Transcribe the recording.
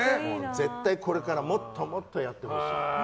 絶対これからもっとやってほしい。